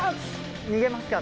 逃げますか？